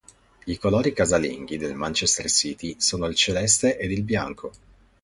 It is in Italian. I colori casalinghi del Manchester City sono il celeste ed il bianco.